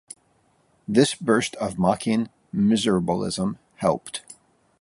This burst of mocking miserablism helped.